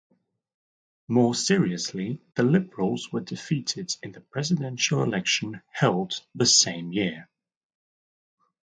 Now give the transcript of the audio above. More seriously, the Liberals were defeated in the Presidential election held the same year.